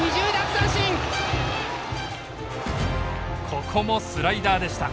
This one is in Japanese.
ここもスライダーでした。